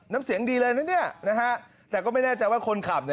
น้ำเสียงดีเลยนะเนี่ยนะฮะแต่ก็ไม่แน่ใจว่าคนขับ